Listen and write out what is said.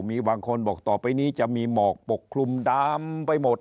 มีบางคนบอกต่อไปนี้จะมีหมอกปกคลุมดามไปหมด